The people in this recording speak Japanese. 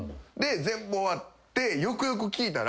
全部終わってよくよく聞いたら。